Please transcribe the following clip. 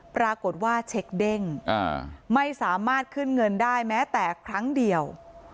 ปรากฏว่าเช็คเด้งไม่สามารถขึ้นเงินได้แม้แต่ครั้งเดียว